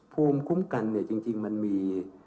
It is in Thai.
ภูมิคุ้มกันเนี่ยจริงมันมี